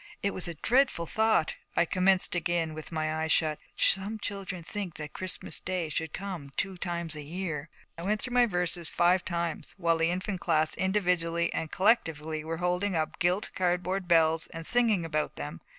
It was a dreadful thought. I commenced again, with my eyes shut, 'Some children think that Christmas day Should come two times a year.' I went through my verses five times, while the Infant Class individually and collectively were holding up gilt cardboard bells and singing about them.